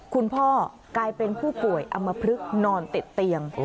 คุณพ่อกลายเป็นผู้ป่วยอำมพลึกนอนติดเตียง